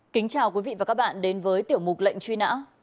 kính chào quý vị và các bạn đến với tiểu mục lệnh truy nã